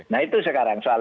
nah itu sekarang soal